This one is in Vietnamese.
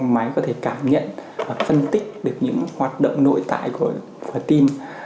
máy có thể cảm nhận và phân tích được những hoạt động nội tại của khoa tim